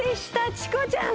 チコちゃん